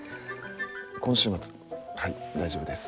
今週末はい大丈夫です。